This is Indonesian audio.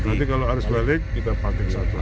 berarti kalau arus balik kita pantik satu